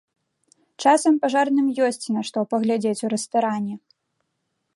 Часам пажарным ёсць на што паглядзець у рэстаране!